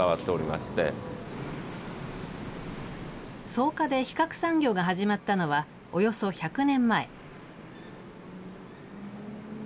草加で皮革産業が始まったのは、およそ１００年前。